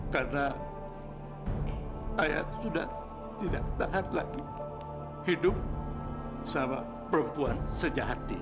karena ayah sudah tidak tahan lagi hidup sama perempuan sejahat dia